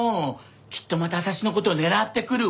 きっとまた私の事を狙ってくるわ。